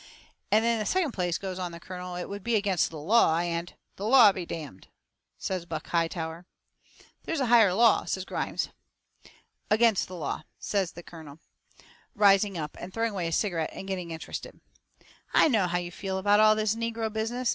"And in the second place," goes on the colonel, "it would be against the law, and " "The law be d d!" says Buck Hightower. "There's a higher law!" says Grimes. "Against the law," says the colonel, rising up and throwing away his cigarette, and getting interested. "I know how you feel about all this negro business.